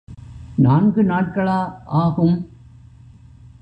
நான்கு நாட்களா ஆகும்?